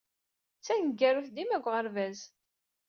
D taneggarut dima deg uɣerbaz.